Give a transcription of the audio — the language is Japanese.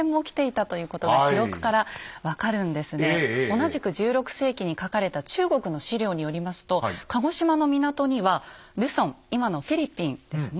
同じく１６世紀に書かれた中国の史料によりますと鹿児島の港にはルソン今のフィリピンですね